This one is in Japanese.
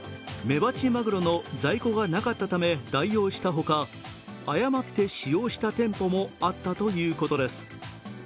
メバチマグロの在庫がなかったため代用したほか、誤って使用した店舗もあったということです。